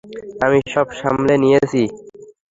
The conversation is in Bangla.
আমি সব সামলে নিয়েছি।